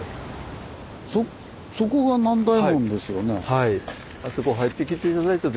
はい。